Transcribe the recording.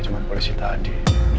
cuman polisi tadi